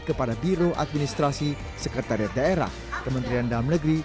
kepada biro administrasi sekretariat daerah kementerian dalam negeri